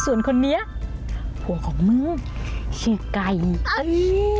ส่วนคนนี้หัวของมึงคือกาย